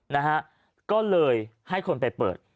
นะฮะก็เลยให้คนไปเปิด